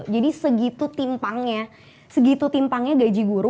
jadi segitu timpangnya segitu timpangnya gaji guru